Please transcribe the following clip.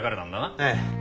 ええ。